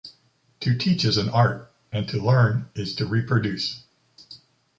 To teach is an art, and to learn is to reproduce.